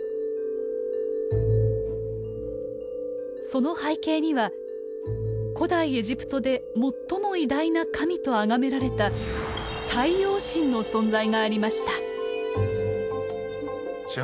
その背景には古代エジプトで最も偉大な神とあがめられた太陽神の存在がありました。